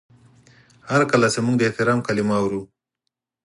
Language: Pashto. هر کله چې موږ د احترام کلمه اورو